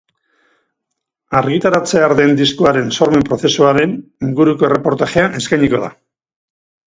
Argitaratzear den diskoaren sormen prozesuaren inguruko erreportajea eskainiko da.